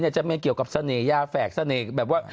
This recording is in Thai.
จะมีเกี่ยวกับเสน่หยาแฝกเสน่ห์แบบว่า